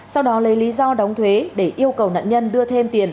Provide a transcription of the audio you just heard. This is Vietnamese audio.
sau đó lấy lý do đóng thuế để yêu cầu nạn nhân đưa thêm tiền